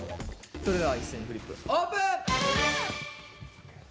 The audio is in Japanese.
それでは一斉にフリップオープン！